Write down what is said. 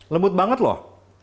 lembut banget loh